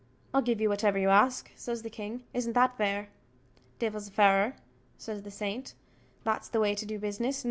"I'll give you whatever you ask," says the king "isn't that fair?" "Divil a fairer," says the saint, "that's the way to do business.